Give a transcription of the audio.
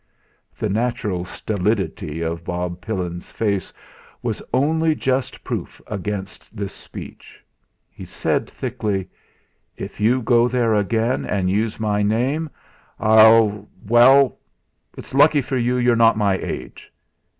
The natural stolidity of Bob Pilings face was only just proof against this speech. He said thickly: "If you go there again and use my name, I'll Well, it's lucky for you you're not my age.